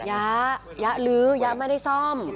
ยักษ์ยักษ์ลือยักษ์ไม่ได้ซ่อม